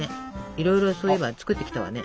いろいろそういえば作ってきたわね。